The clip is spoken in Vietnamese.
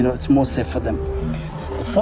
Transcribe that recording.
đoàn của rừng cứu đàn ả đỏ